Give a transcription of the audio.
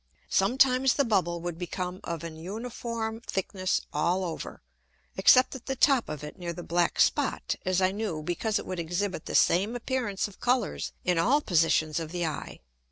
Sometimes the Bubble would become of an uniform thickness all over, except at the top of it near the black Spot, as I knew, because it would exhibit the same appearance of Colours in all Positions of the Eye.